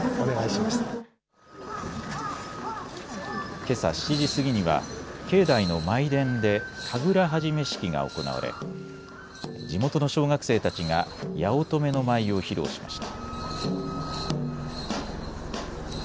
けさ７時過ぎには境内の舞殿で神楽始式が行われ地元の小学生たちが八乙女の舞を披露しました。